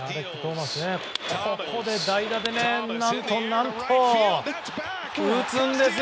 ここで代打で何と、何と打つんですよ！